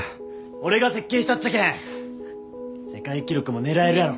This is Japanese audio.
俺が設計したっちゃけん世界記録も狙えるやろ。